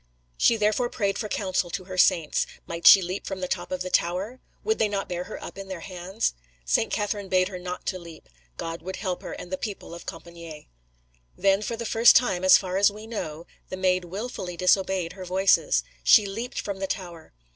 She therefore prayed for counsel to her Saints; might she leap from the top of the tower? Would they not bear her up in their hands? St. Catherine bade her not to leap; God would help her and the people of Compičgne. Then, for the first time, as far as we know, the Maid wilfully disobeyed her Voices. She leaped from the tower.